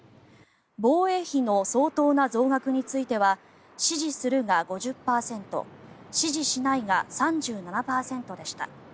防衛費の相当な増額については支持するが５０％支持しないが３７％でした。